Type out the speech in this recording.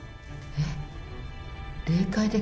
えっ？